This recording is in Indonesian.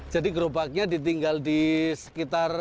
jadi gerobaknya ditinggal di sekitar